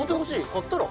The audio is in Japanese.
買ったら？